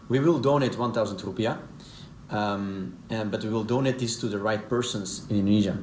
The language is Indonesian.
kita akan memberikan seribu rupiah tapi kita akan memberikan ini kepada orang yang benar di indonesia